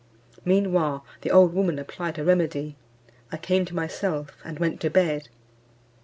Meanwhile, the old woman applied her remedy; I came to myself, and went to bed.